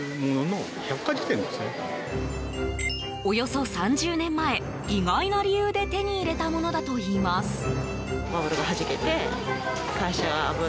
およそ３０年前、意外な理由で手に入れたものだといいます。